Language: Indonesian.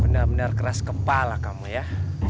benar benar keras kepala kamu ya